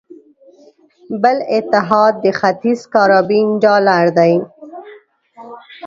بل اتحاد د ختیځ کارابین ډالر دی.